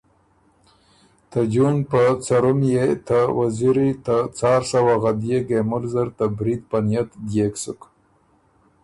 ته جون په څرم يې ته وزیری ته څار سوه غدئے ګېمُل زر ته برید په نئت ديېک سُک